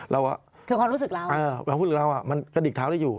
เราคือความรู้สึกเราความรู้สึกเรามันกระดิกเท้าได้อยู่